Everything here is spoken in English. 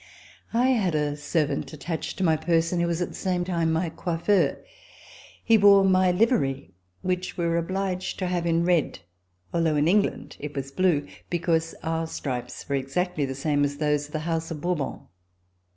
I had a servant attached to my person who was at the same time my coiffeur. He wore my livery, which we were obliged to have in red, although in England it was blue, because our stripes were exactly the same as those of the House of Bourbon.